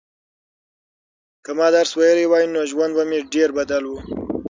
که ما درس ویلی وای نو ژوند به مې ډېر بدل و.